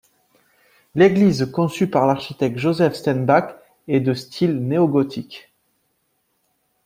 L'église conçue par l'architecte Josef Stenbäck est de style néogothique.